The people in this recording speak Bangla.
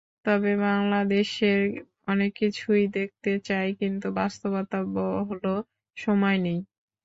তবে বাংলাদেশের অনেক কিছুই দেখতে চাই, কিন্তু বাস্তবতা হলো, সময় নেই।